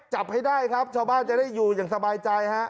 จับให้ได้ครับชาวบ้านจะได้อยู่อย่างสบายใจฮะ